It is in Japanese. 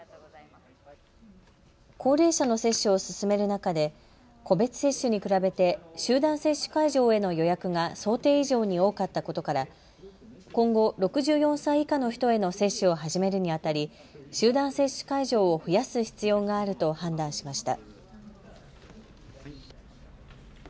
高齢者の接種を進める中で個別接種に比べて集団接種会場への予約が想定以上に多かったことから今後、６４歳以下の人への接種を始めるにあたり集団接種会場を増やす必要があると判断しました。